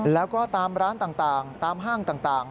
แล้วก็ตามร้านต่างตามห้างต่าง